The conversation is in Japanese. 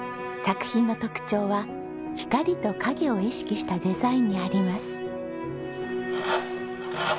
作品の特徴は光と影を意識したデザインにあります。